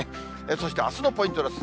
そして、あすのポイントです。